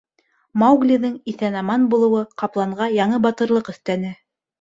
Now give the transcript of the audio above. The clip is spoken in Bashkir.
Мауглиҙың иҫән-аман булыуы ҡапланға яңы батырлыҡ өҫтәне.